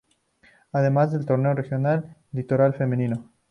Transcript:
Además del Torneo Regional Litoral Femenino.